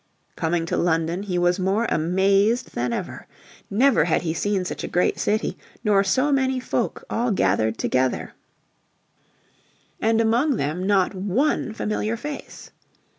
Coming to London he was more amazed than ever. Never had he seen so great a city nor so many folk all gathered together, and among them not one familiar face.